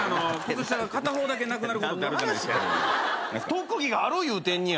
特技がある言うてんねや。